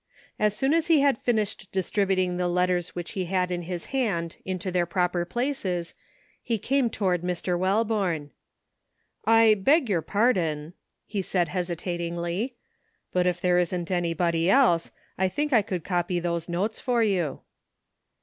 As soon as he had finished distributing the letters which he had in his hand into their proper places he came toward Mr. Welborne. '•I beg your pardon," he said hesitatingly; ''but if there isn't anybody else I think I could copy those notes for you."